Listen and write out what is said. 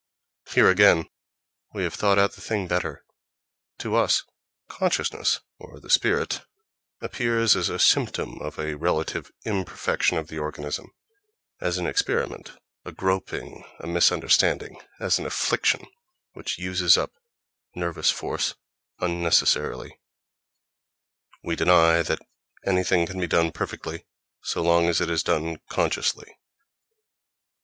Here again we have thought out the thing better: to us consciousness, or "the spirit," appears as a symptom of a relative imperfection of the organism, as an experiment, a groping, a misunderstanding, as an affliction which uses up nervous force unnecessarily—we deny that anything can be done perfectly so long as it is done consciously.